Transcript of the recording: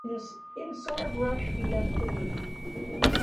In a sort of rush he left the room.